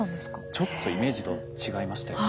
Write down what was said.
ちょっとイメージと違いましたよね。